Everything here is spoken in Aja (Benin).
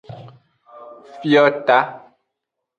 Fiota.